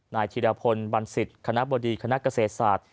ธิรพลบันสิทธิ์คณะบดีคณะเกษตรศาสตร์